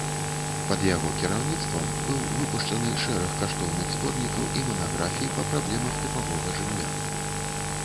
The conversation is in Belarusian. Пад яго кіраўніцтвам быў выпушчаны шэраг каштоўных зборнікаў і манаграфій па праблемах тыпавога жылля.